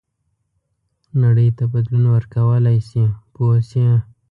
نړۍ ته بدلون ورکولای شي پوه شوې!.